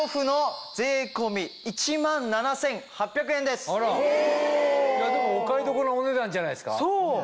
でもお買い得なお値段じゃないですか。